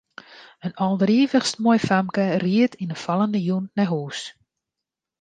In alderivichst moai famke ried yn 'e fallende jûn nei hûs.